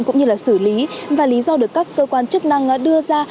cũng như là xử lý và lý do được các cơ quan chức năng đưa ra